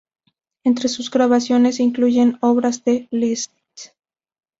Entre sus grabaciones incluyen obras de Liszt.